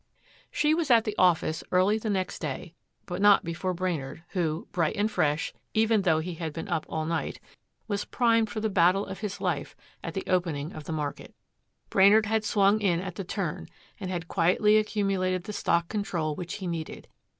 She was at the office early the next day, but not before Brainard who, bright and fresh, even though he had been up all night, was primed for the battle of his life at the opening of the market. Brainard had swung in at the turn and had quietly accumulated the stock control which he needed.